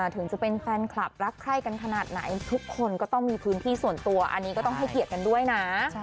ถึงจะเป็นแฟนคลับรักใคร่กันขนาดไหนทุกคนก็ต้องมีพื้นที่ส่วนตัวอันนี้ก็ต้องให้เกียรติกันด้วยนะ